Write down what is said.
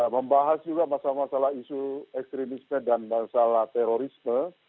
membahas juga masalah masalah isu ekstremisme dan masalah terorisme